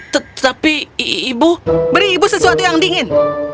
tetapi ibu beri ibu sesuatu yang dingin